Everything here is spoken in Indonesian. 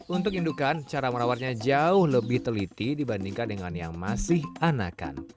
untuk indukan cara merawatnya jauh lebih teliti dibandingkan dengan yang masih anakan